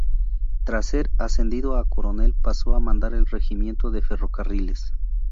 Tras ser ascendido a coronel pasó a mandar el Regimiento de Ferrocarriles.